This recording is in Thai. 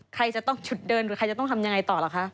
ใครจะต้องฉุดเดินหรือใครจะต้องทำยังไงต่อเหรอคะ